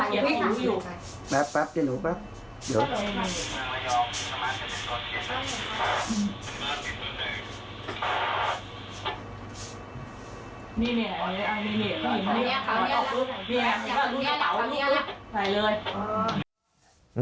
อยากทำแบบนี้แหละทำแบบนี้แหละ